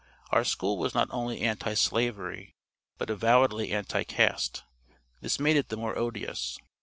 Our school was not only Anti slavery, but avowedly Anti caste. This made it the more odious.